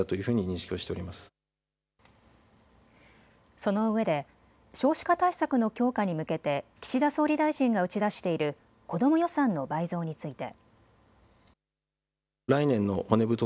そのうえで少子化対策の強化に向けて岸田総理大臣が打ち出している子ども予算の倍増について。